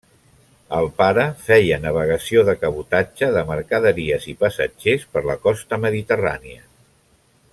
El pare feia navegació de cabotatge de mercaderies i passatgers per la costa mediterrània.